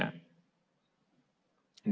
ini kita kejar kejaran